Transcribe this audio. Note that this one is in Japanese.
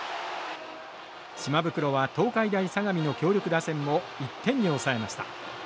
島袋は東海大相模の強力打線を１点に抑えました。